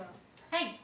はい。